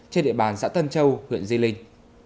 trên địa bàn xã tân châu huyện di linh